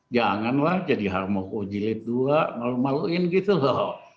janganlah jadi harmoko jilid dua malu maluin gitu loh